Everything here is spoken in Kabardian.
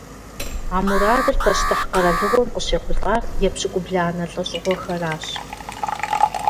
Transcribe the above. А мурадыр пащтыхь къэралыгъуэм къыщехъулӀар епщыкӏубланэ лӀэщӀыгъуэхэращ.